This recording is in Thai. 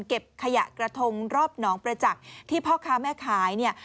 เก็บขยะกระทงรอบหนองประจักษ์ที่พ่อค้าแม่ขายเนี่ย